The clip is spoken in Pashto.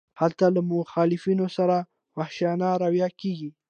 هلته له مخالفانو سره وحشیانه رویه کیږي.